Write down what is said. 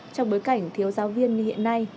trong bối cảnh thiếu giáo viên như hiện nay